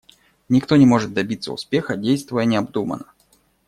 Никто не может добиться успеха, действуя необдуманно.